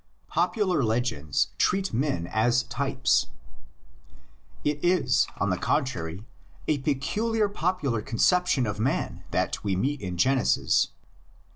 55 POPULAR LEGENDS TREAT MEN AS TYPES. It is, on the contrary, a peculiar popular concep tion of man that we meet in Genesis.